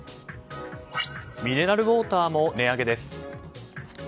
ミネラルウォーターも値上げです。